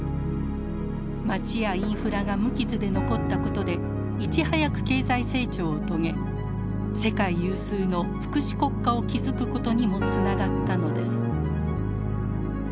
街やインフラが無傷で残ったことでいち早く経済成長を遂げ世界有数の福祉国家を築くことにもつながったのです。